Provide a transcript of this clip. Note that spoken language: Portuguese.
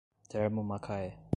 Termomacaé